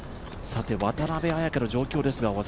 渡邉彩香の状況ですが。